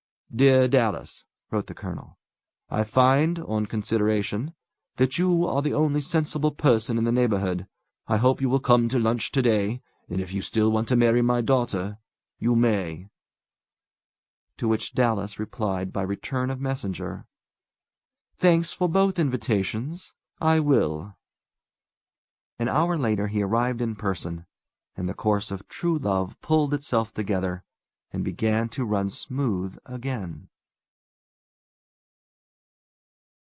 "Dear Dallas" (wrote the colonel), "I find, on consideration, that you are the only sensible person in the neighbourhood. I hope you will come to lunch to day. And if you still want to marry my daughter, you may." To which Dallas replied by return of messenger: "Thanks for both invitations. I will." An hour later he arrived in person, and the course of true love pulled itself together, and began to run smooth again.